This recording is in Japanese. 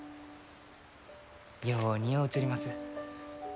よう似合うちょります。